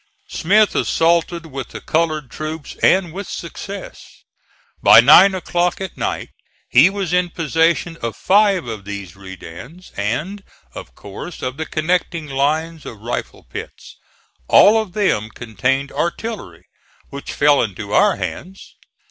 Smith assaulted with the colored troops, and with success. By nine o'clock at night he was in possession of five of these redans and, of course, of the connecting lines of rifle pits. All of them contained artillery, which fell into our hands.